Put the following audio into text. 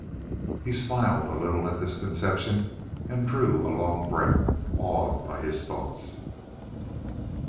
He smiled a little at this conception, and drew a long breath awed by his thoughts.